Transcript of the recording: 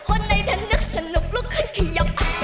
โอ้ไหนเธอนึกสนุกลูกค่ะคี่ยกอ้า